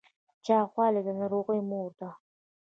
چاغوالی د ناروغیو مور ده